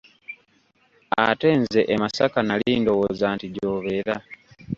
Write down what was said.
Ate nze e masaka nali ndowooza nti gy'obeera.